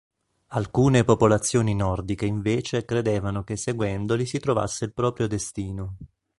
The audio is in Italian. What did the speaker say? Alcune popolazioni nordiche invece credevano che seguendoli si trovasse il proprio destino.